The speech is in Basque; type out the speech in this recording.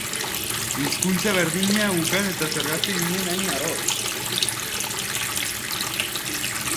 Hizkuntza berdina ukan eta zergatik ginen hain arrotz?